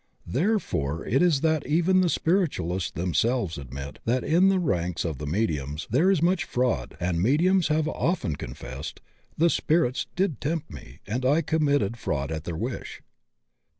Therefore it is that even the spiritualists themselves admit that in the ranks of the mediums there is much fraud, and mediums have often con fessed, ''the spirits did tempt me and I committed fraud at their wish."